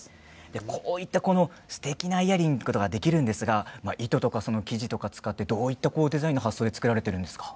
こういったものができるんですが糸や生地を使ってどういったデザインの発想で作られてるんですか。